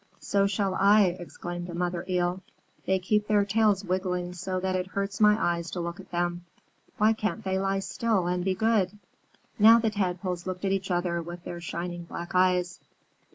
"So shall I," exclaimed a Mother Eel. "They keep their tails wiggling so that it hurts my eyes to look at them. Why can't they lie still and be good?" Now the Tadpoles looked at each other with their shining black eyes.